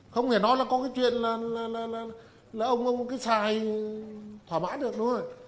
không nghe nói là có cái chuyện là ông có cái xài thoả mãn được đúng không